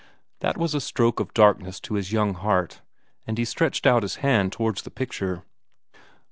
That was a stroke of darkness to his young heart, and he stretched out his hand towards the picture.